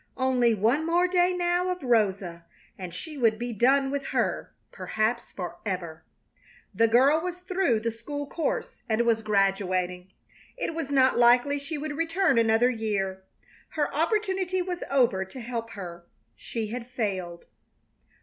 Only one more day now of Rosa, and she would be done with her, perhaps forever. The girl was through the school course and was graduating. It was not likely she would return another year. Her opportunity was over to help her. She had failed.